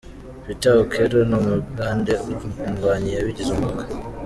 Peter Okello ni umugande, indwanyi yabigize umwuga.